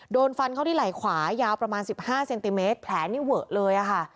โดนฟันเข้าที่ไหล่ขวายาวประมาณ๑๕เซนติเมตรแผลนี่เวอะเลยค่ะ